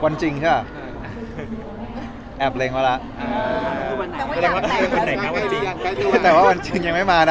วันจริงใช่หรอแอบเล็งแล้วล่ะแต่ว่าวันจริงยังไม่มานะ